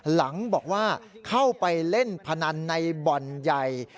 หลังบอกว่าเข้าไปเล่นพนันในบ่อนใหญ่